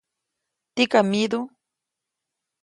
¿tikam myidu?